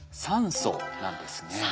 酸素なんですね。